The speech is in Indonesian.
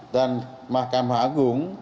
dan mahkamah agung